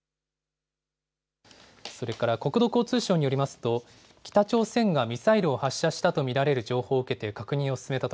それから国土交通省によりますと、北朝鮮がミサイルを発射したと見られる情報を受けて確認を進めた